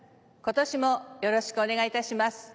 今年もよろしくお願いいたします。